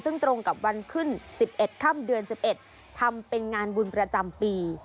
ซึ่งตรงกับวันขึ้น๑๑ค่ำเดือน๑๑ทำเป็นงานบุญประจำปี